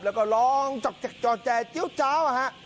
แล้วก็ร้องจอกแจกจอกแจกจิ้วจ้าวอ่ะฮะ